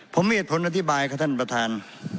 ผมไม่เอติพ้นอธิบายค่ะท่านประธาน